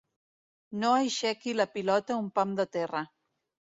No aixequi la pilota un pam de terra.